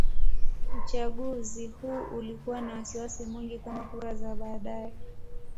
Uchaguzi huu ulikuwa na wasiwasi mwingi kama kura za baadaye.